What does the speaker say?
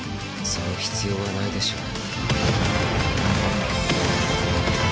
その必要はないでしょう。